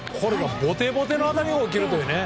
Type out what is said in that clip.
ボテボテの当たりが起きるというね。